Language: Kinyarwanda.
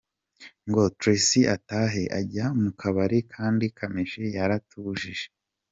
ngo Tracy atahe, ajya mu kabari kandi Kamichi yaratubujije.